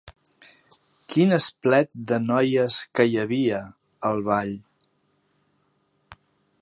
Quin esplet de noies que hi havia, al ball!